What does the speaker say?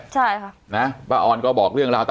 ใช่ค่ะนะป้าออนก็บอกเรื่องราวต่าง